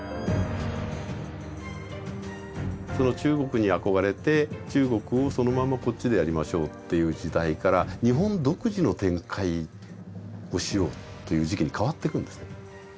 中国に憧れて中国をそのままこっちでやりましょうっていう時代から日本独自の展開をしようという時期に変わっていくんですね。